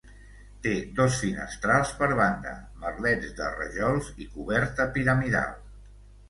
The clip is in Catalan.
Té dos finestrals per banda, merlets de rajols i coberta piramidal.